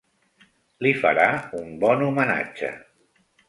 Li farà un bon homenatge.